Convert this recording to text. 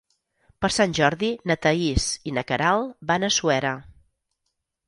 Per Sant Jordi na Thaís i na Queralt van a Suera.